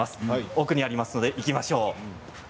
奥にありますので行きましょう。